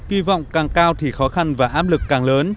hy vọng càng cao thì khó khăn và áp lực càng lớn